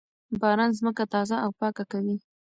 باران ځمکه تازه او پاکه کوي.